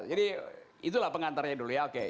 jadi itulah pengantarnya dulu ya oke